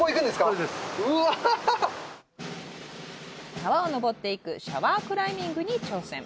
これです川を登っていくシャワークライミングに挑戦